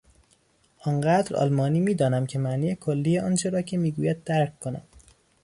آنقدر آلمانی میدانم که معنی کلی آنچه را که میگوید درک کنم.